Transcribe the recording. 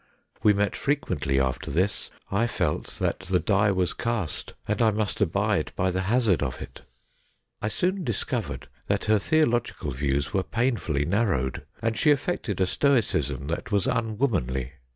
We met frequently after this. I felt that the die was cast and I must abide by the hazard of it. I soon discovered that her theological views were painfully narrowed, and she affected a stoicism that was unwomanly.